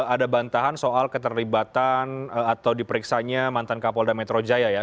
ada bantahan soal keterlibatan atau diperiksanya mantan kapolda metro jaya ya